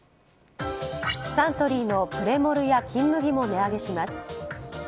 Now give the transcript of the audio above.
サントリーのプレモルや金麦も値上げします。